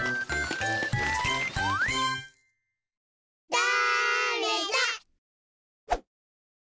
だれだ？